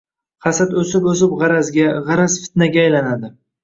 Hasad o’sib o’sib g’arazga, g’araz-fitnaga aylanadi.